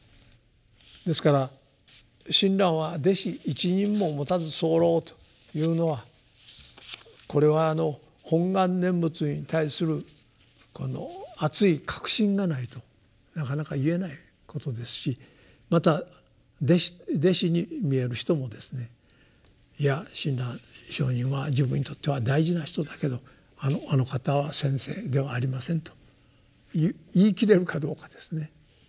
ですから「親鸞は弟子一人ももたずさふらふ」というのはこれは本願念仏に対するあつい確信がないとなかなか言えないことですしまた弟子に見える人もですね「いや親鸞上人は自分にとっては大事な人だけどあの方は先生ではありません」と言い切れるかどうかですね。